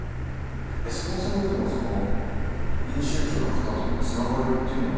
そもそもでもその編集長の方とのつながりっていうのは？